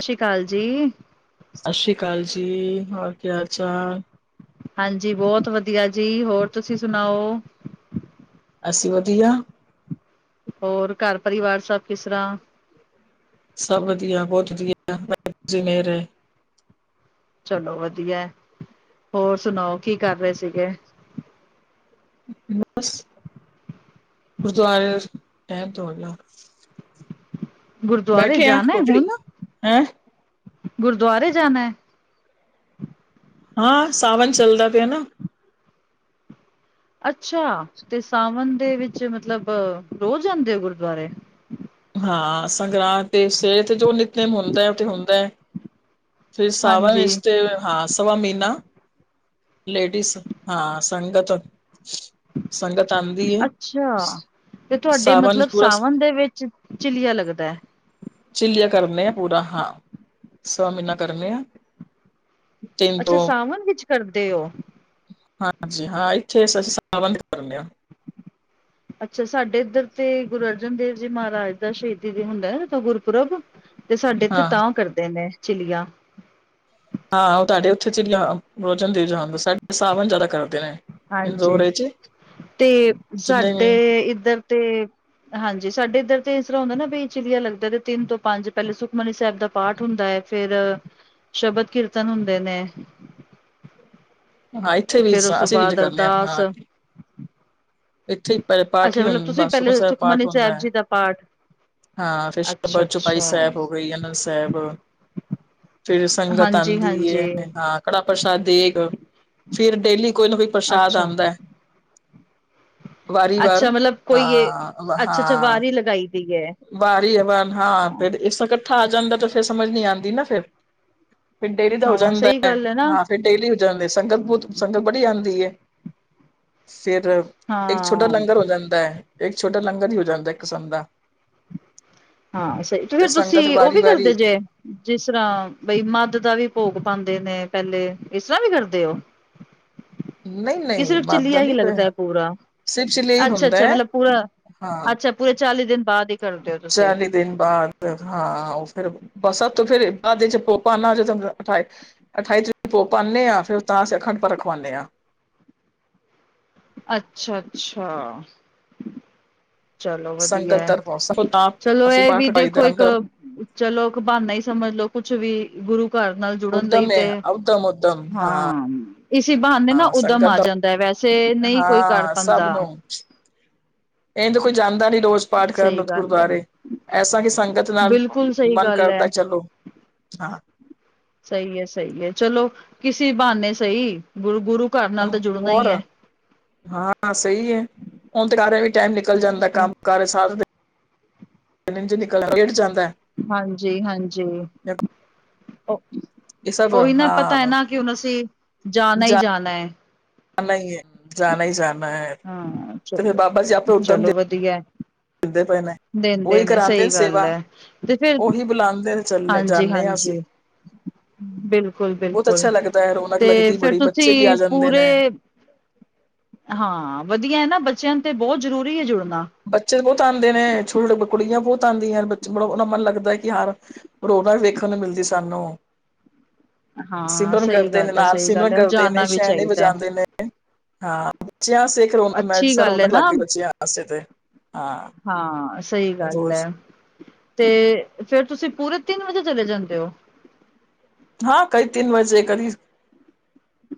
ਸਸ਼ੀਕਾਲ ਜੀ। ਸਾਸ਼ੀਕਾਲ ਜੀ, ਹੋਰ ਕੀ ਹਾਲ- ਚਾਲ? ਹਾਂਜੀ, ਬਹੁਤ ਵਧੀਆ ਜੀ। ਹੋਰ ਤੁਸੀਂ ਸੁਣਾਓ? ਅਸੀਂ ਵਧੀਆ। ਹੋਰ, ਘਰ ਪਰਿਵਾਰ ਸਭ ਕਿਸ ਤਰ੍ਹਾਂ? ਸਭ ਵਧੀਆ, ਬਹੁਤ ਵਧੀਆ, ਵਾਏਗੁਰੂ ਜੀ ਦੀ ਮੇਅਰ ਐ। ਚਲੋ ਵਦੀਐ, ਹੋਰ ਸੁਣਾਓ ਕੀ ਕਰ ਰਏ ਸੀਗੇ? ਬਸ, ਗੁਰਦੁਆਰੇ ਅਸਤੇ ਟੈਮ ਤਾਂ ਹੋਗਿਆ। ਗੁਰਦੁਆਰੇ ਆ ਜਾਨੈ ਕੋਠੜੀ ਹੁਨ, ਹੈਂ ਗੁਰਦੁਆਰੇ ਜਾਨੈ? ਹਾਂ, ਸਾਵਨ ਚੱਲਦਾ ਪਿਆ ਨਾ। ਅੱਛਾ, ਤੇ ਸਾਵਨ ਦੇ ਵਿੱਚ ਮਤਲਬ ਰੋਜ਼ ਜਾਂਦੇ ਓ ਗੁਰਦੁਆਰੇ? ਹਾਂ ਸੰਗਰਾਂਦ ਤੇ, ਸਵੇਰੇ ਤੇ ਜੋ ਨਿਤਨਮ ਹੁੰਦੈ ਓ ਤੇ ਹੁੰਦੈ। ਫੇਰ ਸਾਵਨ ਹਾਂਜੀ, ਏਚ ਤੇ ਹਾਂ ਸਵਾ ਮਈਨਾ, ਲੇਡੀਜ਼ ਹਾਂ ਸੰਗਤ ਸੰਗਤ ਆਂਦੀ ਏ, ਅੱਛਾ! ਤੇ ਤੁਆਡੇ ਸਾਵਨ ਮਤਲਬ ਵਿੱਚ ਪੂਰਾ ਸਾਵਨ ਦੇ ਵਿੱਚ ਚ ਚਿੱਲੀਆ ਲੱਗਦੈ? ਚਿੱਲੀਆਂ ਕਰਨੇ ਆ ਪੂਰਾ ਹਾਂ, ਸਵਾ ਮਈਨਾ ਕਰਨੇ ਆ। ਤਿੰਨ ਅੱਛਾ, ਤੋਂ ਸਾਵਨ ਵਿੱਚ ਕਰਦੇ ਓ। ਹਾਂਜੀ ਹਾਂ, ਇੱਥੇ ਅਸੀਂ ਸਾਵਨ ਨੂੰ ਕਰਨੇ ਆ। ਅੱਛਾ, ਸਾਡੇ ਇੱਧਰ ਤੇ ਗੁਰੂ ਅਰਜਨ ਦੇਵ ਜੀ ਮਹਾਰਾਜ ਦਾ ਸ਼ਹੀਦੀ ਵੀ ਹੁੰਦੈ ਤਾਂ ਗੁਰਪੁਰਬ ਤੇ ਸਾਡੇ ਇੱਥੇ ਹਾਂ ਤਾਂ ਕਰਦੇ ਨੇ ਚਿਲੀਆਂ। ਹਾਂ, ਤੁਆਡੇ ਉੱਥੇ ਚਿਲੀਆਂ ਓ ਗੁਰ ਅਰਜਨ ਦੇਵ ਜੀ ਹਾਂ, ਸਾਡੇ ਸਾਵਨ ਜਾਦਾ ਕਰਦੇ ਨੇ। ਹਾਂਜੀ, ਇੰਦੋਰ ਚ ਤੇ ਜਿੰਨੇ ਵੀ ਸਾਡੇ ਇੱਧਰ ਤੇ ਹਾਂਜੀ, ਸਾਡੇ ਇੱਧਰ ਤੇ ਇਸ ਤਰ੍ਹਾਂ ਹੁੰਦਾ ਨਾ ਬਈ ਚਿਲੀਆਂ ਲੱਗਦਾ ਤੇ ਤਿੰਨ ਤੋਂ ਪੰਜ ਪੈਲੇ ਸੁਖਮਨੀ ਸੈਬ ਦਾ ਪਾਠ ਹੁੰਦਾ ਏ ਫੇਰ ਸ਼ਬਦ ਕੀਰਤਨ ਹੁੰਦੇ ਨੇ, ਹਾਂ ਇੱਥੇ ਵੀ ਫਿਰ ਉਸ ਸਾ ਤੋਂ -ਅਸੀਂ ਵੀ ਇੰਜ ਬਾਅਦ ਕਰਨੇ ਆ, ਅਰਦਾਸ ਹਾਂ। ਇੱਥੇ ਈ ਪ -ਪਾਠ ਅੱਛਾ ਈ ਮਤਲਬ ਤੁਸੀਂ ਹੁੰਦਾ, ਸੁਕਮਨੀ ਪਹਿਲੇ ਸੈਬ ਪਾਠ ਸੁਖਮਨੀ ਹੁੰਦਾ ਸਾਹਿਬ ਐ। ਜੀ ਦਾ ਪਾਠ ਹਾਂ, ਫਿਰ ਅੱਛਾ ਸ਼ਬਦ, ਚੌਪਾਈ ਅੱਛਾ ਸੈਬ ਹੋ ਗਈ, ਅਨੰਦ ਸੈਬ। ਫੇਰ ਸੰਗਤ ਹਾਂਜੀ ਆਂਦੀ ਏ ਹਾਂਜੀ ਤੇ ਤਾਂ ਕੜਾ ਪ੍ਰਸ਼ਾਦ ਦੇਗ। ਫਿਰ ਡੇਲੀ ਕੋਈ ਨਾ ਕੋਈ ਪ੍ਰਸ਼ਾਦ ਅੱਛਾ ਆਦੈ, ਵਾਰੀ ਵਾਰ। ਅੱਛਾ ਮਤਲਬ ਕੋਈ ਇਹ ਹਾਂ- ਅੱਛਾ ਅੱਛਾ ਹਾਂ। ਵਾਰੀ ਲਗਾਈ ਦੀ ਹੈ ਵਾਰੀ ਵਾਰ ਹਾਂ ਫਿਰ ਇਸ ਤਾਂ ਕੱਠਾ ਆ ਜਾਂਦਾ ਤੇ ਫੇਰ ਸਮਝ ਨੀ ਆਦੀ ਨਾ ਫੇਰ। ਫਿਰ ਡੇਲੀ ਦਾ ਹੋ ਹਾਂ ਜਾਂਦੈ, ਸਹੀ ਗੱਲ ਹੈ ਨਾ ਹਾਂ ਫਿ ਡੇਲੀ ਹੋ ਜਾਂਦੈ ਸੰਗਤ ਬੋਤ, ਸੰਗਤ ਬੜੀ ਆਂਦੀ ਏ। ਫਿਰ ਏਕ ਛੋਟਾ ਹਾਂ ਲੰਗਰ ਹੋ ਜਾਂਦੈ, ਏਕ ਛੋਟਾ ਲੰਗਰ ਈ ਹੋ ਜਾਂਦੈ ਇੱਕ ਕਿਸਮ ਦਾ। ਹਾਂ ਸਹੀ। ਤੇ ਫੇਰ ਸੰਗਤ ਤੁਸੀਂ ਓ ਵਾਰੀ ਵੀ ਕਰਦੇ ਵਾਰੀ ਜੇ ਜਿਸ ਤਰ੍ਹਾਂ ਬਈ ਮੱਧ ਦਾ ਵੀ ਭੋਗ ਪਾਂਦੇ ਨੇ ਪੈਲੇ, ਇਸ ਤਰ੍ਹਾਂ ਵੀ ਕਰਦੇ ਓ? ਨਹੀਂ ਕੀ ਨਹੀਂ ਸਿਰਫ ਮਾਦਾ ਚਿੱੱਲੀਆ ਨੀ ਹੀ ਲੱਗਦੈ ਪੂਰਾ? ਸਿਰਫ ਚਲੇ ਹੀ ਅੱਛਾ ਹੁੰਦਾ ਅੱਛਾ, ਹੈ ਮਤਲਬ ਪੂਰਾ ਹਾਂ ਅੱਛਾ, ਪੂਰੇ ਚਾਲੀ ਦਿਨ ਬਾਦ ਈ ਕਰਦੇ ਓ ਤੁਸੀ। ਚਾਲੀ ਦਿਨ ਬਾਦ ਹਾਂ ਓਹ ਫਿਰ ਬਸਾ ਤੋਂ ਫਿਰ ਬਾਦ ਇਚ ਭੋਪ ਪਾਣ ਆ ਜੀ ਦੈ ਹੁੰਦੈ ਅਠਾਏ ਅਠਾਈ ਤਰੀ ਪੋ ਪਾਣੇ ਆਂ ਫਿਰ ਤਾਂ ਅਸੀਂ ਅਖੰਡ ਪਾਠ ਰਖਵਾਣੇ ਆਂ। ਅੱਛਾ, ਅੱਛਾ। ਚਲੋ ਸੰਗਤ ਵਧੀਐ। ਤਰਫੋਂ ਤਾਂ ਚਲੋ ਅਸੀਂ ਐਹ ਵੀ ਪਾਠ ਰਖਾਈ ਦਾ ਦੇਖੋ ਇੱਕ ਲੰਗਰ ਚਲੋ ਇੱਕ ਬਾਨਾ ਈ ਸਮਝ ਲੋ, ਕੁੱਛ ਵੀ ਗੁਰੂ ਘਰ ਨਾਲ ਜੁੜਨ ਲਈ ਤੇ, ਹਾਂ। ਇਸੀ ਬਹਾਣੇ ਨਾ ਹਾਂ ਉਦਮ ਸੰਗਤ ਆ ਦਾ ਜਾਂਦੈ। ਵੈਸੇ ਨਹੀਂ ਕੋਈ ਕਰ ਹਾਂ, ਸਭ ਪਾਉਂਦਾ ਨੂੰ। ਏੰਜ ਕੋਈ ਜਾਂਦਾ ਨੀ ਰੋਜ਼ ਪਾਠ ਕਰਨ ਸਹੀ ਓਥ ਗੱਲ ਹੈ, ਗੁਰਦੁਆਰੇ। ਐਸਾ ਕਿ ਸੰਗਤ ਨਾਲ ਬਿਲਕੁਲ ਸਹੀ ਮਨ ਗੱਲ ਹੈ। ਕਰਦੈ ਚੱਲੋ, ਹਾਂ। ਸਹੀ ਐ ਸਹੀ ਐ, ਚਲੋ ਕਿਸੀ ਬਹਾਨੇ ਸਹੀ। ਗੁਰੂ ਗੁਰੂ ਘਰ ਨਾਲ ਤੇ ਜੁੜਨਾ ਹੋਰ ਈ ਐ। ਹਾਂ ਸਹੀ ਏ, ਹੁਣ ਤੇ ਘਾਰ ਐਵੇ ਈ ਟਾਈਮ ਨਿਕਲ ਜਾਂਦੈ, ਕੰਮ ਕਾਰ ਸਾਰਾ ਦਿਨ ਇੰਜ ਨਿਕਲ ਗੇੜ ਜਾਂਦੈ। ਹਾਂਜੀ, ਹਾਂਜੀ। ਓਅ ਇਹ ਸਭ ਓਹੀ ਨਾ ਪਤਾ ਐ ਹਾਂ ਨਾ ਕਿ ਹੁਣ ਅਸੀਂ ਜਾਣਾ ਈ ਜਾਣੈ। ਅ ਨਹੀਂ ਏ, ਜਾਣਾ ਈ ਜਾਨਾ ਐ ਤੇ ਫੇਰ ਬਾਬਾ ਜੀ ਆਪੇ ਉਦਮ ਦੇ ਧੀਐ, ਦੇੰਦੇ ਉਹੀ ਨੇ ਸਹੀ ਗੱਲ ਐ ਤੇ ਫੇਰ ਬੁਲਾਂਦੇਣ ਹਾਂਜੀ, ਹਾਂਜੀ। ਬਹੁਤ ਬਿਲਕੁਲ-ਬਿਲਕੁਲ ਅੱਛਾ ਲੱਗਦਾ ਹੈ ਰੌਣਕ ਤੇ ਲੱਗਦੀ ਫੇਰ ਬੜੀ ਬੱਚੇ ਵੀ ਆ ਤੁਸੀਂ ਜਾਂਦੇ ਨੇ ਪੂਰੇ ਹਾਂ, ਵਧੀਆ ਐ ਨਾ ਬੱਚਿਆਂਣ ਤੇ ਬੌਤ ਜ਼ਰੂਰੀ ਏ ਜੁੜਨਾ। ਬੱਚੇ ਤੇ ਬੌਤ ਆਂਦੇ ਨੇ ਛੋਟੇ-ਛੋਟੇ ਕੁੜੀਆਂ ਬੌਤ ਆੰਦੀਆਂ ਨੇ ਬੜਾ ਓਹਨਾ ਮਨ ਲੱਗਦਾ ਐ ਕਿ ਹਾਰ ਰੋਣਕ ਵੇਖਣ ਨੂੰ ਮਿਲਦੀ ਸਾਨੂੰ। [inaudible] ਹਾਂ ਸਿਮਰਨ ਸਹੀ ਕਰਦੇ ਨੇ ਗੱਲ ਹੈ ਨਾਲ, ਸਹੀ ਗੱਲ ਸਿਮਰਨ ਹੈ ਉਹ ਕਰਦੇ ਨੇ ਜਾਣਾ ਵੀ ਛੈਣੇ ਚਾਹੀਦਾ ਹੈ ਵਜਾਂਦੇ ਨੇ। ਹਾਂ, ਬੱਚਿਆਂ ਆਸਤੇ ਇਕ ਰੋਣ ਮੈ ਅੱਛੀ ਸਰ ਗੱਲ ਹੈ ਰੌਣਕ ਨਾ ਲੱਗ ਗਈ ਬੱਚਿਆਂ ਆਸਤੇ ਤੇ। ਹਾਂ ਹਾਂ, ਸਹੀ ਗੱਲ ਰੋਜ਼ ਐ। ਤੇ ਫੇਰ ਤੁਸੀਂ ਪੂਰੇ ਤਿੰਨ ਵਜੇ ਚਲੇ ਜਾਂਦੇ ਓ? ਹਾਂ, ਕਈ ਤਿੰਨ ਵਜੇ ਕਦੀ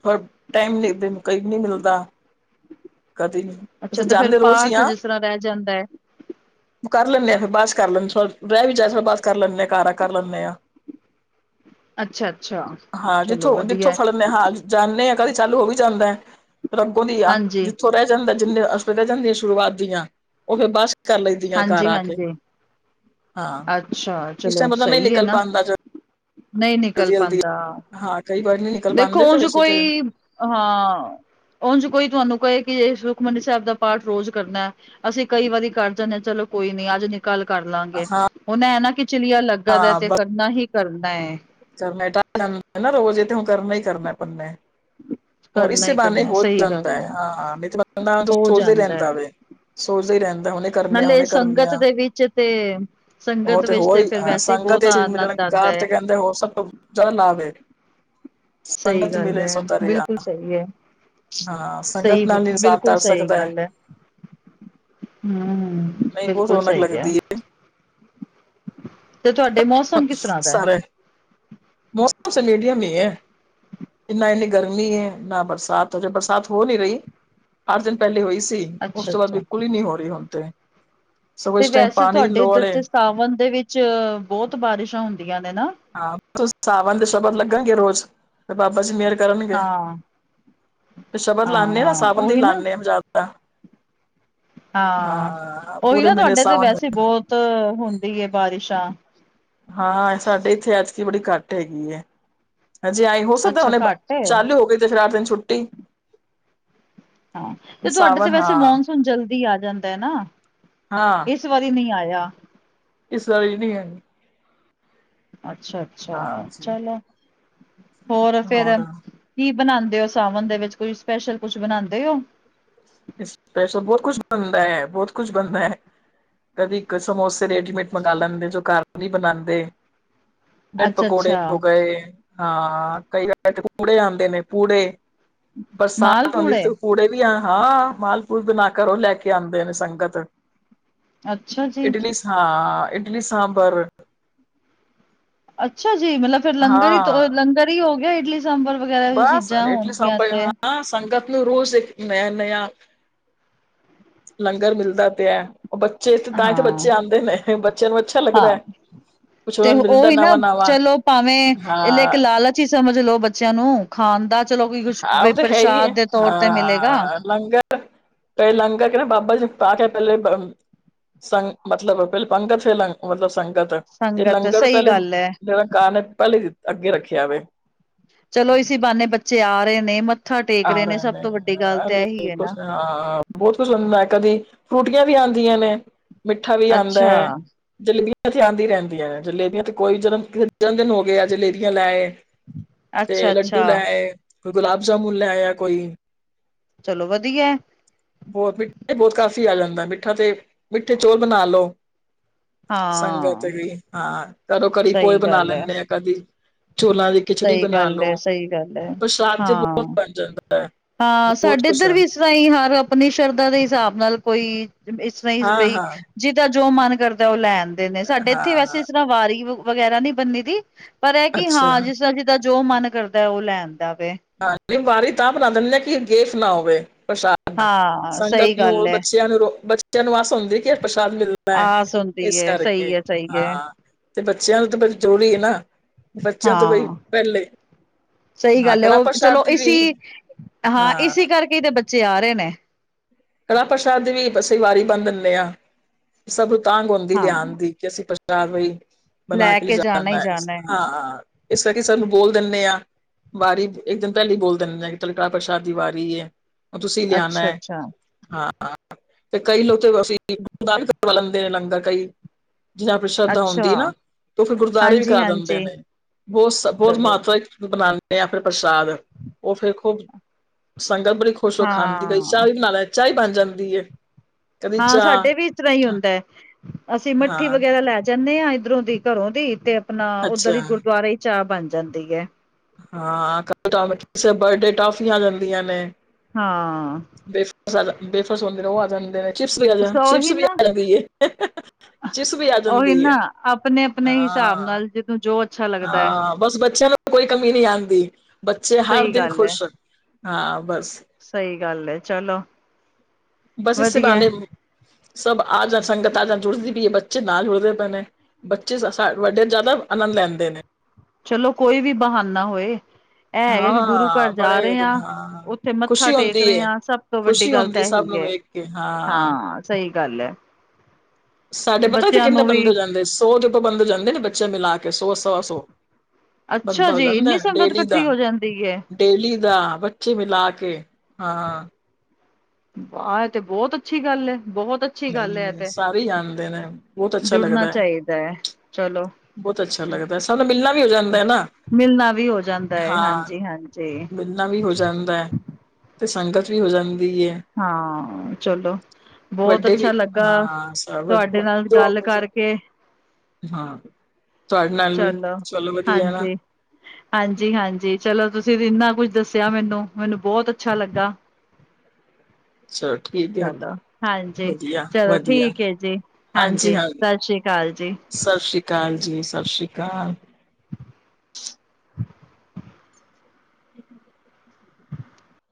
ਪਰ ਟਾਈਮ ਲੇਖਦੇਣ ਕਈ ਨੀ ਮਿਲਦਾ। ਕਦੀ ਨੀ। ਅੱਛਾ ਤੇ ਫੇਰ ਪਾਠ ਜਿਸ ਤਰ੍ਹਾਂ ਰੈਹ ਜਾਂਦੈ। ਕਰ ਲੈਂਣੇ ਆਂ, ਫਿਰ ਬਾਦ ਚ ਕਰ ਲੈਂਣ ਥੋੜ ਰੈਹ ਵੀ ਜਾਏ ਥੋੜਾ ਬਾਦ ਚ ਕਰ ਲੈਣੇ ਆਂ ਕਾਰ ਆ ਕਰ ਲੈਣੇ ਆਂ। ਅੱਛਾ ਅੱਛਾ, ਚਲੋ ਵਧੀਐ। ਮੈਂ ਹਾਲ ਜਾਂਣੇ ਆ ਕਦੀ ਚਾਲੂ ਹੋ ਵੀ ਜਾਂਦੈ। ਫੇਰ ਅਗੋਂ ਦੀ ਆ। ਹਾਂਜੀ ਥੋਂ ਰੈਹ ਜਾਂਦੈ ਜਿੰਨੇ ਅਸ਼ਟਪਦੀਆ ਰੈ ਜਾਂਦੀਐਂ ਸ਼ੁਰੂਆਤ ਦੀਆਂ, ਓਹ ਫੇਰ ਬੱਸ ਕਰ ਲਈਦੀਐਂ ਘਰ ਹਾਂਜੀ ਆ ਕੇ। ਹਾਂਜੀ ਹਾਂ ਅੱਛਾ, ਇਸ ਚਲੋ ਟਾਈਮ ਪਤਾ ਨਹੀਂ ਸਹੀ ਏ ਨਿਕਲ ਨਾ। ਪਾਉਂਦਾ ਨਹੀਂ ਨਿਕਲ ਜਲਦੀ ਜਲਦੀ ਪਾੰਦਾ। ਹਾਂ ਕਈ ਵਾਰ ਨਹੀਂ ਨਿਕਲ ਦੇਖੋ ਪਾਉਂਦੇ ਤੇ ਓੰਝ ਵੈਸੇ ਤੇ ਕੋਈ ਹਾਂ ਅ ਹਾਂ। ਓੰਝ ਕੋਈ ਤੁਆਨੂੰ ਕਏ ਕਿ ਸੁਖਮਨੀ ਸੈਬ ਦਾ ਪਾਠ ਰੋਜ਼ ਕਰਨੈ, ਅਸੀਂ ਕਈ ਵਾਰੀ ਕਰ ਜਣੈ ਚਲੋ ਕੋਈ ਨੀ ਅੱਜ ਨੀ ਕਲ ਕਰ ਲਾਂਗੇ। ਹੋਣ ਐਹ ਨਾ ਕਿ ਚਲੀਆ ਲੱਗਾ ਦਾ ਹਾਂ ਤੇ ਕਰਨਾ ਹੀ ਕਰਨਾ ਐ। ਬਸ ਕਰਨਾ ਤੇ ਓਹ ਕਰਨਾ ਹੀ ਕਰਨਾ ਬੰਦੇ ਨੇ। ਹੋਰ ਕਰਨਾ ਇਸੇ ਹੀ ਬਾਨੇ ਕਰਨਾ ਹੋ ਸਹੀ ਜਾਂਦਾ ਗੱਲ ਹੈ, ਹਾਂ, ਹਾਂ ਨਹੀਂ ਹੋ ਸੋਚਦੇ ਜਾਂਦਾ ਹੈ ਰਹਿੰਦਾ ਵੇ। ਸੋਚਦਾ ਹੀ ਰਹਿੰਦਾ ਹੁੰਨੇ ਕਰਨੇਿਆ ਨਾਲੇ ਹੁੰਨੇ ਕਰਨੇ ਸੰਗਤ ਆ ਦੇ ਵਿੱਚ ਤੇ ਉਹ ਸੰਗਤ ਤੇ ਵਿੱਚ ਹੋ ਹੀ ਫਿਰ ਹਾਂ ਵੈਸੇ ਹੀ ਸੰਗਤ ਬਹੁਤ ਇਹ ਚ ਮਿਲ ਜਾ ਆਨੰਦ ਆਉਂਦਾ ਕਾਰ ਤੇ ਹੈ ਕਹਿੰਦੇ, ਹੋਰ ਸਭ ਤੋਂ ਜ਼ਿਆਦਾ ਲਾਭ ਐ। ਸਹੀ ਗੱਲ ਹੈ, ਬਿਲਕੁਲ ਸਹੀ ਹੈ। ਹਾਂ ਸੰਗਤ ਸਹੀ ਨਾਲ ਇਨਸਾਨ ਬਿਲਕੁਲ ਤਰ ਸਹੀ ਸਕਦਾ ਗੱਲ ਹੈ। ਹਮ ਨਹੀਂ ਬਹੁਤ ਬਿਲਕੁਲ ਰੌਣਕ ਸਹੀ ਕਿਯਾ ਹੈ। ਲੱਗਦੀ ਤੇ ਤੁਹਾਡੇ ਮੌਸਮ ਕਿਸ ਤਰ੍ਹਾਂ ਦਾ ਏ? ਮੋਸਮ ਮੀਡੀਅਮ ਹੀ ਹੈ। ਨਾ ਇੰਨੀ ਗਰਮੀ ਹੈ, ਨਾ ਬਰਸਾਤ ਅਜੇ ਬਰਸਾਤ ਹੋ ਨੀ ਰਹੀ ਅੱਠ ਦਿਨ ਪਹਿਲੇ ਹੋਈ ਸੀ। ਉਸ ਅੱਛਾ ਤੋਂ ਬਾਅਦ ਅੱਛਾ ਬਿਲਕੁਲ ਹੀ ਨੀ ਹੋ ਰਹੀ ਹੁਣ ਤੇ। ਸਗੋਂ ਤੇ ਇਸ ਟਾਈਮ ਵੈਸੇ ਪਾਣੀ ਦੀ ਤੁਹਾਡੇ ਲੋੜ ਇੱਧਰ ਏ ਦੇ ਸਾਵਨ ਦੇ ਵਿੱਚ ਬਹੁਤ ਬਾਰਿਸ਼ਾਂ ਹੁੰਦੀਆਂ ਨੇ ਨਾ। ਹਾਂ ਸਾਵਣ ਦੇ ਸ਼ਬਦ ਲੱਗਣਗੇ ਰੋਜ਼, ਤੇ ਬਾਬਾ ਜੀ ਮੇਰ ਕਰਨਗੇ, ਹਾਂ, ਤੇ ਸ਼ਬਦ ਹਾਂ, ਲਾਣੇ ਹਾ ਨਾ ਹਾਂ ਸਾਵਣ ਦੀ ਉਹੀ ਨਾ ਲਾਦੇ ਹਾਂ ਜ਼ਿਆ ਆ। ਹਾਂ, ਉਹੀ ਨਾ ਤੁਹਾਡੇ ਤੇ ਸਾਵਣ ਵੈਸੇ ਬਹੁਤ ਹੁੰਦੀ ਹੈ ਬਾਰਿਸ਼ਾਂ। ਹਾਂ ਸਾਡੇ ਇੱਥੇ ਅਜਕੀ ਬੜੀ ਘੱਟ ਹੈਗੀ ਹੈ। ਹਾਂਜੀ ਆਏ ਹੋ ਸਕਦਾ ਅੱਛਾ ਹੁਣੇ ਘੱਟ ਏ। ਚਾਲੂ ਹੋ ਗਏ ਤੇ ਫੇਰ ਆਠ ਦਿਨ ਛੁੱਟੀ। ਹਾਂ ਤੇ ਤੁਹਾਡੇ ਤੇ ਸਾਵਨ ਵੈਸੇ ਹਾਂ ਮੌਨਸੂਨ ਜਲਦੀ ਆ ਜਾਂਦਾ ਹੈ ਨਾ। ਹਾਂ। ਇਸ ਵਾਰੀ ਨਹੀਂ ਆਇਆ। ਇਸ ਵਾਰੀ ਵੀ ਨਹੀਂ ਆਇਆ। ਅੱਛਾ, ਅੱਛਾ ਹਾਂਜੀ ਚਲੋ ਹੋਰ ਫੇਰ? ਕੀ ਬਣਾਉਂਦੇ ਹੋ ਸਾਵਣ ਦੇ ਵਿੱਚ ਕੋਈ ਸਪੈਸ਼ਲ ਕੁਛ ਬਣਾਉਂਦੇ ਹੋ? ਸਪੈਸ਼ਲ ਬਹੁਤ ਕੁਛ ਬਣਦਾ ਹੈ, ਬਹੁਤ ਕੁਛ ਬਣਦਾ ਹੈ। ਕਦੀ ਇੱਕ ਸਮੋਸੇ ਰੈਡੀਮੇਡ ਮੰਗਵਾ ਲੈਂਦੇ ਜੋ ਘਰ ਨਹੀਂ ਬਣਾਉਂਦੇ। ਬਰੈਡ ਅੱਛਾ, ਪਕੌੜੇ ਅੱਛਾ ਹੋ ਗਏ, ਹਾਂ ਕਈ ਵਾਰ ਪੂੜੇ ਆਉਂਦੇ ਨੇ ਪੂੜੇ ਬਰਸਾਤ ਹੁੰਂਦੀ ਤੇ ਪੂੜੇ ਵੀ ਆ ਹਾਂ ਮਾਲ ਪੂਲ ਬਣਾ ਕਰ ਉਹ ਲੈ ਕੇ ਆਉਂਦੇ ਨੇ ਸੰਗਤ? ਅੱਛਾ ਜੀ। ਇਡਲੀ ਹਾਂ ਇਡਲੀ ਸਾਂਬਰ। ਅੱਛਾ ਜੀ, ਮਤਲਬ ਫੇਰ ਲੰਗਰ ਹੀ ਹਾਂ ਲੰਗਰ ਹੀ ਹੋ ਗਿਆ ਇਡਲੀ ਸਾਂਬਰ। ਔਰ ਵਗੈਰਾ ਵੀ ਬਸ ਚੀਜ਼ਾਂ ਇਟਲੀ ਹੋਣਗਆਂ ਸਾਂਬਰ ਇੱਥੇ। ਹਾਂ ਸੰਗਤ ਨੂੰ ਰੋਜ਼ ਇੱਕ ਨਯਾ, ਨਯਾ ਲੰਗਰ ਮਿਲਦਾ ਪਿਆ। ਉਹ ਬੱਚੇ ਇੱਥੇ ਤਾਂ ਹੀ ਤੇ ਹਾਂ। ਬੱਚੇ ਆਉਂਦੇ ਨੇ ਬੱਚਿਆਂ ਨੂੰ ਅੱਛਾ ਲੱਗਦਾ ਹੈ। ਹਾਂ, ਕੁਛ ਤੇ ਉਹਨਾਂ ਨੂੰ ਮਿਲਦਾ ਉਹੀ ਨਾ ਨਵਾਂ ਨਵਾਂ ਚਲੋ ਭਾਵੇਂ ਇੱਕ ਹਾਂ ਲਾਲਚ ਹੀ ਸਮਝ ਲੋਓ ਬੱਚਿਆਂ ਨੂੰ ਖਾਣ ਦਾ ਚਲੋ ਕੋਈ ਭਈ ਕੁਛ ਹਾਂ ਉਹ ਤਾਂ ਹੈ ਪ੍ਰਸ਼ਾਦ ਦੇ ਤੌਰ ਤੇ ਮਿਲੇਗਾ ਅ ਕਈ ਲੰਗਰ ਕਹਿੰਦਾ ਬਾਬਾ ਜੀ ਖਾ ਗਿਆ ਪਹਿਲੇ ਅ ਸੰ ਮਤਲਬ ਪਹਿਲੇ ਪੰਗਤ ਫੇਰ ਲੰਗ ਮਤਲਬ ਸੰ ੰਗਤ ਤੇ ਸੰਗਤ ਲੰਗਰ ਸਹੀ ਪਹਿਲੇ ਗੱਲ ਐ। ਇਹਦਾ ਕਾਰਣ ਪਹਿਲੇ ਅੱਗੇ ਰੱਖਿਆ ਵੇ। ਚਲੋ ਇਸੀ ਬਹਾਨੇ ਬੱਚੇ ਆ ਰਹੇ ਨੇ, ਮੱਥਾ ਟੇਕ ਰਹੇ ਨੇ, ਸਭ ਤੋਂ ਵੱਡੀ ਗੱਲ ਤਾਂ ਇਹੀ ਅਰੇ ਹੈ ਕੁਛ ਨਾ। ਹਾਂ ਬਹੁਤ ਕੁਝ ਹੁੰਦਾ ਹੈ ਕਦੀ ਫਰੂਟੀਆਂ ਵੀ ਆੰਦੀਆਂ ਨੇ, ਮਿੱਠਾ ਵੀ ਆੰਦਾ ਹੈ ਅੱਛਾ, ਜਲੇਬੀਆਂ ਇੱਥੇ ਆੰਦੀ ਰਹਿੰਦੀਆਂ ਨੇ ਜਲੇਬੀਆਂ ਤੇ ਕੋਈ ਜਨਮ ਕਿਸੇ ਜਨਮ ਦਿਨ ਹੋ ਗਿਆ ਆ ਜਲੇਬੀਆਂ ਲੈ ਆਏ ਹਮ [inaudible] ਤੇ ਲੱਡੂ ਲੈ ਆਏ, ਕੋਈ ਗੁਲਾਬ ਜਾਮੁਨ ਲੈ ਆਇਆ ਕੋਈ ਚੱਲੋ ਵਧਿਆ। ਬੋਤ ਮਿੱਠੇ ਬੋਤ ਕਾਫੀ ਆ ਜਾਂਦਾ, ਮਿੱਠਾ ਤੇ ਮਿੱਠੇ ਚੋਲ ਬਣਾ ਲੋ। ਸੰਗਤ ਹਾਂ। ਵੀ ਹਾਂ ਘਰੋਂ ਘਰੀਂ ਪੋਏ ਸਹੀ ਬਣਾ ਗੱਲ ਐ, ਲੈਂਣੇ ਆ ਕਦੀ। ਚੋਲਾਂ ਦੀ ਖਿਚੜੀ ਸਹੀ ਬਣਾ ਗੱਲ ਲੋ, ਐ, ਸਹੀ ਗੱਲ ਐ ਪ੍ਰਸ਼ਾਦ ਤੇ ਬੋਤ ਹਾਂ। ਬਣ ਜਾਂਦਾ। ਹੈ ਹਾਂ ਬਹੁਤ ਸਾਡੇ ਕੁਛ ਏਧਰ ਹਾਂ ਵੀ ਇਸਰ੍ਹਾਂ ਈ ਹਰ ਆਪਣੀ ਸ਼ਰਧਾ ਦੇ ਹਿਸਾਬ ਨਾਲ ਕੋਈ ਇਸਰ੍ਹਾਂ ਈ ਹਾਂ ਬਈ ਜਿਦਾਂ ਜੋ ਮਨ ਕਰਦਾ ਓ ਲੈ ਆਂਦੇ ਨੇ ਸਾਡੇ ਹਾਂ ਏਥੇ ਹਾਂ ਵੈਸੇ ਇਸਰ੍ਹਾਂ ਵਾਰੀ ਵਗੈਰਾ ਨੀ ਬੰਨੀ ਦੀ। ਪਰ ਐ ਕੀ ਹਾਂ ਅੱਛਾ ਜਿਸਦਾ ਜਿੱਦਾਂ ਜੋ ਮਨ ਕਰਦਾ ਓ ਲੈਂਦਾ ਵੇ। ਹਾਂ ਬਾਰੀ ਤਾਂ ਬਣਾ ਦਿੰਨੇ ਕੀ ਗੇਫ ਨਾ ਹੋਵੇ ਪ੍ਰਸ਼ਾਦ। ਹ ਹਾਂ ਸਹੀ ਸੰਗਤ ਗੱਲ ਨੂੰ, ਏ ਬੱਚਿਆਂ ਨੂੰ, ਬੱਚਿਆਂ ਨੂੰ ਆਸ ਹੁੰਦੀ ਕੀ ਪ੍ਰਸ਼ਾਦ ਮਿਲਦ ਮਿਲਦਾ ਏ ਆਸ ਹੁੰਦੀ ਏਸ ਏ ਕਰਕੇ, ਸਹੀ ਏ ਸਹੀ ਏ ਹਾਂ ਤੇ ਬੱਚਿਆਂ ਨੂੰ ਤੇ ਫੇਰ ਜਰੂੂਰੀ ਏ ਨਾ। ਬੱਚਿਆਂ ਤੋਂ ਬਈ ਹਾਂ ਪੈਲੇ, ਸਹੀ ਹਾਂ ਗੱਲ ਏ ਕੜਾ ਉਹ ਚਲੋ ਸ਼ਾਦ ਵੀ, ਹਾਂ। ਇਸ ਕਰਕੇ ਈ ਤੇ ਬੱਚੇ ਆ ਰਏ ਨੇ। ਕੜਾ ਪ੍ਰਸ਼ਾਦ ਦੀ ਵੀ ਬਸੀਂ ਵਾਰੀ ਬੰਨ ਦਿੰਨੇ ਆਂ, ਸਭ ਨੂੰ ਤਾਂਘ ਹੁੰਦੀ ਹਾਂ ਲਿਆਣ ਦੀ। ਕੀ ਅਸੀਂ ਪ੍ਰਸ਼ਾਦ ਵਈ ਬਣਾ ਕੇ ਲੈ ਜਾਣਾ ਐ। ਆ ਹਾਂ ਇਸ ਕਰਕੇ ਸਾਨੂੰ ਬੋਲ ਦਿੰਦੇ ਆਂ, ਵਾਰੀ ਇੱਕ ਦਿਨ ਪੈਲੇ ਈ ਬੋਲ ਦਿੰਨੇ ਆਂ ਕੱਲ ਕੜਾ ਪ੍ਰਸ਼ਾਦ ਦੀ ਵਾਰੀ ਏ। ਓ ਤੁਸੀਂ ਲਿਆਣਾ ਅੱਛਾ ਐ। ਅੱਛਾ ਹਾਂ ਤੇ ਕਈ ਲੋਕ ਅਸੀਂ ਕਰਵਾ ਲੈਂਦੇ ਨੇ ਲੰਗਰ ਕਈ ਜਿਨਾਂ ਦੀ ਆਪਣੀ ਸ਼ਰਧਾ ਅੱਛਾ ਹੁੰਦੀ ਨਾ ਤੇ ਓ ਫਿਰ ਗੁਰਦਵਾਰੇ ਵੀ ਹਾਂਜੀ ਕਰ ਦਿੰਦੇ ਹਾਂਜੀ ਨੇ। ਬੋਤ ਸਭ ਬੋਤ ਚਲੋ ਮਾਤਰਾ ਵਿੱਚ ਬਣਾਂਦੇ ਜਾਂ ਫਿਰ ਪ੍ਰਸ਼ਾਦ ਓ ਫੇਰ ਖੂਬ ਸੰਗਤ ਬੜੀ ਖੁਸ਼ ਹੋ ਖਾਂਦੀ, ਕਦੀ ਹਾਂ ਚਾਅ ਵੀ ਬਣਾ ਲੈ ਚਾਅ ਈ ਬਣ ਜਾਂਦੀ ਏ। ਕਦੀ ਹਾਂ ਚਾਹ ਸਾਡੇ ਵੀ ਇਸ ਤਰ੍ਹਾਂ ਈ ਹੁੰਦਾ ਐ, ਅਸੀਂ ਮੱਠੀ ਹਾਂ ਵਗੈਰਾ ਲੈ ਜਾਂਨੇ ਆਂ ਏਧਰੋਂ ਦੀ ਘਰੋਂ ਦੀ ਤੇ ਆਪਣਾ ਅੱਛਾ ਉੱਧਰ ਈ ਗੁਰਦਵਾਰੇ ਈ ਚਾਅ ਬਣ ਜਾਂਦੀ ਐ। ਹਾਂ ਕਦੇ ਕਿਸੇ ਦਾ ਬਰਡੇ ਟੋਫੀਆਂ ਆ ਜਾਂਦੀਆਂ ਨੇ। ਹਾਂ। ਬੇਫਰਸ ਆ ਬੇਫਰਸ ਹੁੰਦੇ ਨੇ ਓ ਆ ਜਾਂਦੇ ਨੇ, ਚਿਪਸ ਆ ਚਿਪਸ ਵੀ ਆ ਜਾਂਦੀ ਏ। ਚਿਪਸ ਵੀ ਆ ਓਈ ਜਾਂਦੀ ਨਾ ਏ ਆਪਣੇ ਆਪਣੇ ਹਿਸਾਬ ਹਾਂ ਨਾਲ ਜਿਨੂੰ ਜੋ ਅੱਛਾ ਲੱਗਦਾ ਹੈ ਹਾਂ ਬਸ ਬੱਚਿਆਂ ਨੂੰ ਕੋਈ ਕਮੀ ਨੀ ਆਂਦੀ, ਬੱਚੇ ਹਰ ਸਹੀ ਦਿਨ ਖ਼ੁਸ਼। ਹਾਂ ਬੱਸ। ਸਈ ਗੱਲ ਏ, ਚਲੋ ਬਸ ਇਸੇ ਵਧੀਆ। ਬਹਾਨੇ ਸਭ ਆ ਜਾ, ਸੰਗਤ ਆ ਜਾ ਜੁੜਦੀ ਪਈ ਏ, ਬੱਚੇ ਨਾਲ ਜੁੜਦੇ ਪਏ ਨੇ। ਬੱਚੇ ਸ਼ਸ ਵੱਡੇ ਜਾਦਾ ਆਨੰਦ ਲੈਂਦੇ ਨੇ। ਚਲੋ ਕੋਈ ਵੀ ਬਹਾਨਾ ਹੋਏ। ਐ ਹੈ ਗਾ ਕੀ ਗੁਰੂ ਹਾਂ ਘਰ ਜਾ ਬੜੇ ਰੇ ਆਂ, ਹਾਂ ਉੱਥੇ ਮੱਥਾ ਖੁਸ਼ੀ ਹੁੰਦੀ ਟੇਕ ਰੇ ਏ ਆਂ ਸਭ ਤੋਂ ਵੱਡੀ ਖੁਸ਼ੀ ਗੱਲ ਤਾਂ ਹੁੰਦੀ ਸਭ ਐਹੀ ਨੂੰ ਹੈ। ਵੇਖ ਕੇ ਹਾਂ। ਸਈ ਗੱਲ ਐ। ਸਾਡੇ ਪਤਾ ਏਥੇ ਕਿੰਨੇ ਵੀ ਬੰਦੇ ਜਾਂਦੇ, ਸੌ ਜਪ ਬੰਦੇ ਜਾਂਦੇ ਨੇ ਬੱਚੇ ਮਿਲਾ ਕੇ ਸੌ ਸਵਾ ਸੌ। ਅੱਛਾ ਬੰਦਾ ਹੋ ਜੀ ਜਾਂਦਾ ਏਨੀ ਸੰਗਤ ਡੇਲੀ ਕੱਠੀ ਦਾ ਹੋ ਜਾਂਦੀ ਐ। ਡੇਲੀ ਦਾ, ਬੱਚੇ ਮਿਲਾ ਕੇ ਹਾਂ। ਵਾਹ ਏ ਤੇ ਬੋਤ ਅੱਛੀ ਗੱਲ ਏ ਬੋਤ ਅ ਨਈ ਸਾਰੇ ਈ ਆਂਦੇ ਨੇ, ਬੋਤ ਅੱਛਾ ਲੱਗਦਾ ਐ। ਐ ਚਲੋ। ਬੋਤ ਅੱਛਾ ਲੱਗਦਾ, ਸਾਡਾ ਮਿਲਣਾ ਵੀ ਹੋ ਜਾਂਦਾ ਨਾ। ਮਿਲਣਾ ਵੀ ਹੋ ਜਾਂਦਾ ਐ, ਹਾਂ ਹਾਂਜੀ ਹਾਂਜੀ। ਮਿਲਣਾ ਵੀ ਹੋ ਜਾਂਦਾ ਹੈ। ਤੇ ਸੰਗਤ ਵੀ ਹੋ ਜਾਂਦੀ ਐ। ਹਾਂ ਚਲੋ ਬਹੁਤ ਵੱਡੇ ਵੀ ਅੱਛਾ ਲੱਗਾ ਹਾਂ ਸਭ ਤੁਹਾਡੇ ਇਕੋ ਨਾਲ ਦੋ ਗੱਲ ਕਰਕੇ [unintelligible] ਹਾਂ ਤੁਹਾਡੇ ਨਾਲ ਵੀ ਚਲੋ ਵਧੀਆ ਨਾ ਹਾਂਜੀ ਹਾਂਜੀ ਹਾਂਜੀ ਚਲੋ ਤੁਸੀਂ ਇੰਨਾ ਕੁਝ ਦੱਸਿਆ ਮੈਨੂੰ ਮੈਨੂੰ ਬਹੁਤ ਅੱਛਾ ਲੱਗਾ ਚਲੋ ਠੀਕ ਆ ਚਲੋ ਹਾਂਜੀ ਵਧੀਆ ਚਲੋ ਵਧੀਆ ਠੀਕ ਹੈ ਜੀ ਹਾਂਜੀ ਹਾਂ ਸਤਿ ਸ੍ਰੀ ਅਕਾਲ ਜੀ ਸਤਿ ਸ਼੍ਰੀ ਅਕਾਲ ਜੀ ਸਤਿ ਸ਼੍ਰੀ ਅਕਾਲ [inaudible]